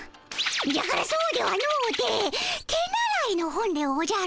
じゃからそうではのうて手習いの本でおじゃる。